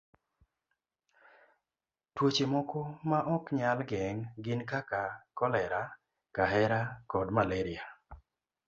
Tuoche moko ma ok nyal geng' gin kaka kolera, kahera, kod malaria.